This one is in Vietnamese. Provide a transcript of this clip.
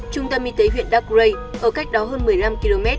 trung tâm y tế huyện darkray ở cách đó hơn một mươi năm km